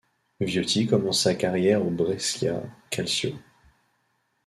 Viotti commence sa carrière au Brescia Calcio.